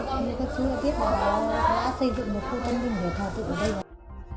các sứ tiết bà đã xây dựng một khu tân ninh để thay dựng ở đây